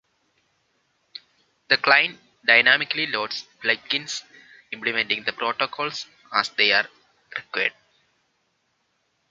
The client dynamically loads plugins implementing the protocols, as they are required.